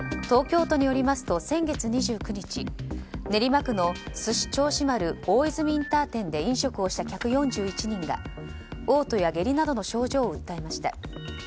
東京都によりますと先月２９日、練馬区のすし銚子丸大泉インター店で飲食をした客４１人が嘔吐や下痢などの症状を訴えました。